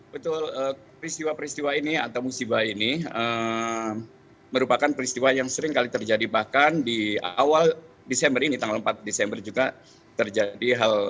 betul peristiwa peristiwa ini atau musibah ini merupakan peristiwa yang sering kali terjadi bahkan di awal desember ini tanggal empat desember juga terjadi hal